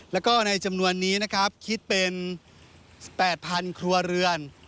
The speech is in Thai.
แล้วก็ในจำนวนนี้นะครับคิดเป็น๘๐๐๐ครัวเรือน